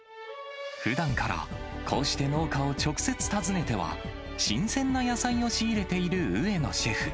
ふだんから、こうして農家を直接訪ねては、新鮮な野菜を仕入れている上野シェフ。